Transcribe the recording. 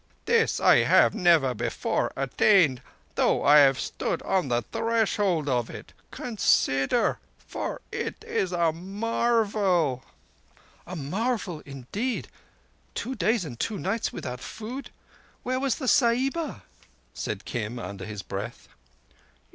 This I have never before attained, though I have stood on the threshold of it. Consider, for it is a marvel!" "A marvel indeed. Two days and two nights without food! Where was the Sahiba?" said Kim under his breath.